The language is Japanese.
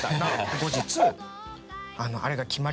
後日」